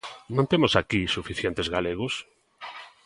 ¿Non temos aquí suficientes galegos?